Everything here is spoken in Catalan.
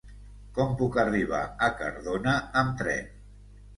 Com puc arribar a Cardona amb tren?